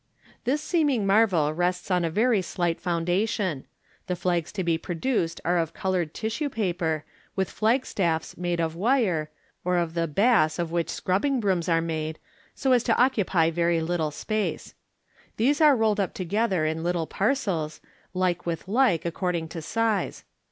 This seeming marvel rests on a very slight foundation. The flags to De produced are of coloured tissue paper, with flagstaff's made of wire, or ot the " bass " of which scrubbing brooms are made, so as to occupy very little space. These are rolled up together in little parcels, like with like, according to size.